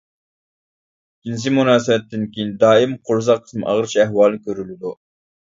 جىنسىي مۇناسىۋەتتىن كېيىن دائىم قورساق قىسمى ئاغرىش ئەھۋالى كۆرۈلىدۇ.